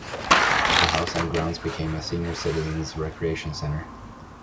The house and grounds became a senior citizens' recreation center.